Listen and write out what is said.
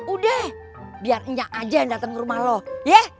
udah biar enyak aja yang datang ke rumah loh ya